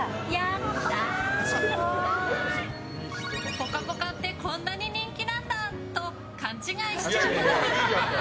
「ぽかぽか」ってこんなに人気なんだ！と勘違いしちゃうほど。